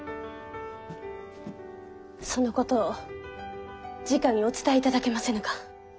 そのことをじかにお伝えいただけませぬか。